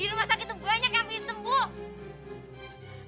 di rumah sakit banyak yang ingin sembuh